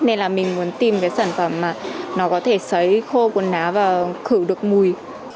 nên là mình muốn tìm cái sản phẩm mà nó có thể xấy khô quần ná và khử được mùi